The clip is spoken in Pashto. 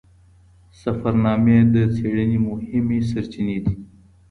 سفرنامې د څیړنې مهمې سرچینې دي.